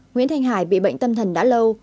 nguyễn thanh hải bị bệnh tâm thần đã lâu